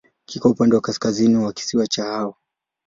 Kiko upande wa kaskazini wa kisiwa cha Hao.